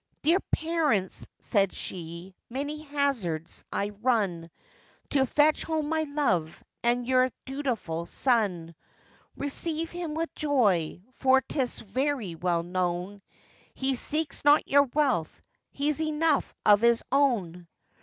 'Dear parents,' said she, 'many hazards I run, To fetch home my love, and your dutiful son; Receive him with joy, for 'tis very well known, He seeks not your wealth, he's enough of his own.